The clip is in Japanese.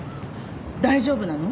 大丈夫なの？